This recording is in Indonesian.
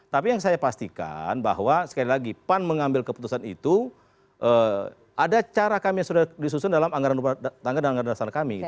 tapi yang saya pastikan bahwa sekali lagi pan mengambil keputusan itu ada cara kami yang sudah disusun dalam anggaran rumah tangga dan anggaran dasar kami